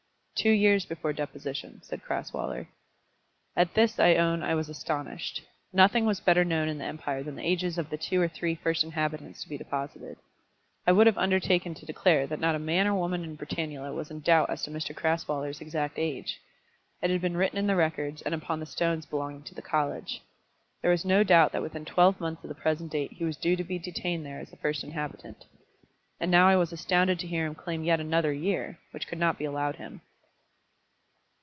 "Two years before deposition," said Crasweller. At this I own I was astonished. Nothing was better known in the empire than the ages of the two or three first inhabitants to be deposited. I would have undertaken to declare that not a man or a woman in Britannula was in doubt as to Mr Crasweller's exact age. It had been written in the records, and upon the stones belonging to the college. There was no doubt that within twelve months of the present date he was due to be detained there as the first inhabitant. And now I was astounded to hear him claim another year, which could not be allowed him.